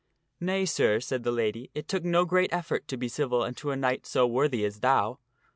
" Nay, sir," said the lady, " it took no great effort to be civil unto a knight so worthy as thou."